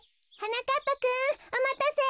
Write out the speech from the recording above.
なかっぱくんおまたせ。